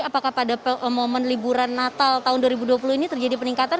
apakah pada momen liburan natal tahun dua ribu dua puluh ini terjadi peningkatan